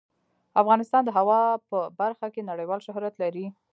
افغانستان د هوا په برخه کې نړیوال شهرت لري.